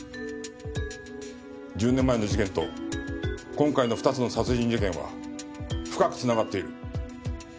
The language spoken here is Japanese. １０年前の事件と今回の２つの殺人事件は深く繋がっている。